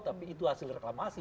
tapi itu hasil reklamasi